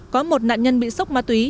có một nạn nhân bị sốc ma túy